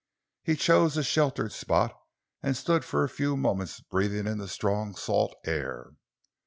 He chose a sheltered spot and stood for a few moments breathing in the strong salt air.